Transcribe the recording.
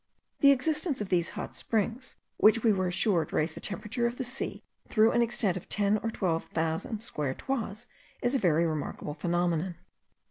The existence of these hot springs, which we were assured raise the temperature of the sea through an extent of ten or twelve thousand square toises, is a very remarkable phenomenon.